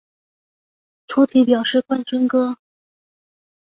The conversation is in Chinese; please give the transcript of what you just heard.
粗体表示冠军歌